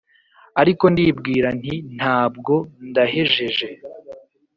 Ariko ndibwira nti «Nta bwo! Ndahejeje!